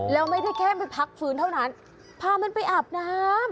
แล้วไม่ได้แค่ไปพักฟื้นเท่านั้นพามันไปอาบน้ำ